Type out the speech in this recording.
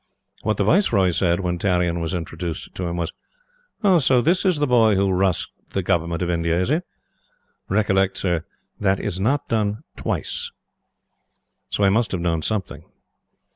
What the Viceroy said when Tarrion was introduced to him was: "So, this is the boy who 'rushed' the Government of India, is it? Recollect, Sir, that is not done TWICE." So he must have known something.